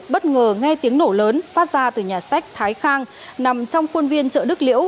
bất ngờ nghe tiếng nổ lớn phát ra từ nhà sách thái khang nằm trong khuôn viên chợ đức liễu